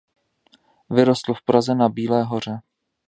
Vyrostl v Praze na Bílé Hoře.